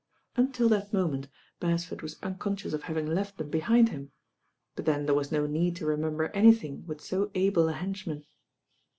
Until that moment Beresford was unconscious of having left them behind him; but then there was no need to remember anything with so able a bench man.